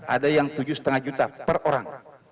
ada yang tujuh lima juta per orang